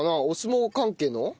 お相撲関係の。